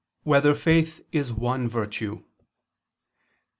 6] Whether Faith Is One Virtue?